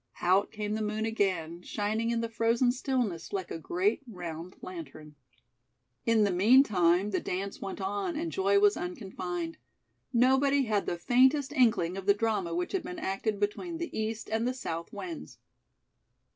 Out came the moon again, shining in the frozen stillness, like a great round lantern. In the meantime, the dance went on and joy was unconfined. Nobody had the faintest inkling of the drama which had been acted between the East and the South winds.